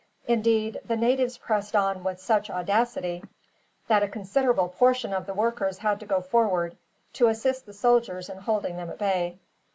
Indeed, the natives pressed on with such audacity that a considerable portion of the workers had to go forward, to assist the soldiers in holding them at bay.